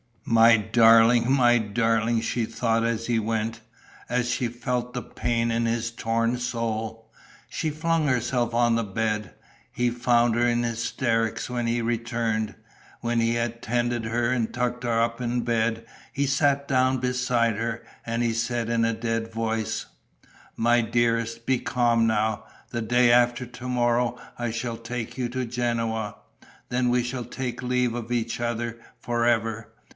"My darling, my darling!" she thought, as he went, as she felt the pain in his torn soul. She flung herself on the bed. He found her in hysterics when he returned. When he had tended her and tucked her up in bed, he sat down beside her. And he said, in a dead voice: "My dearest, be calm now. The day after to morrow I shall take you to Genoa. Then we shall take leave of each other, for ever.